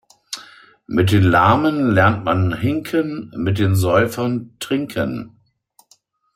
Mit den Lahmen lernt man hinken, mit den Säufern trinken.